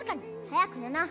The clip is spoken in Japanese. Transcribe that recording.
早く寝な！